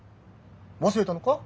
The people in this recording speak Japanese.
忘れたのか？